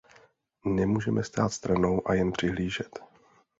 Nemůžeme stát stranou a jen přihlížet.